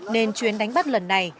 nên chuyến đánh bắt lần này